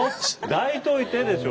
「抱いといて」でしょ！